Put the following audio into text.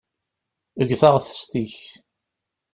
Eg taɣtest-ik.